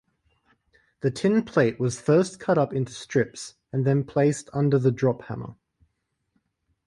The tinplate was first cut up into strips, and then placed under the drop-hammer.